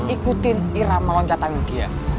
ikutin irama loncatan dia